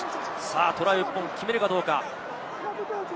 トライを決めるかどうか。